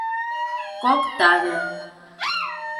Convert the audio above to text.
Кок таве